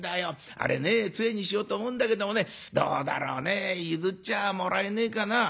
あれねつえにしようと思うんだけどもねどうだろうね譲っちゃもらえねえかな？」。